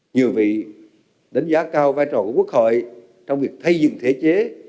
nhiều vị đánh giá cao vai trò của quốc hội trong việc thay dựng thể chế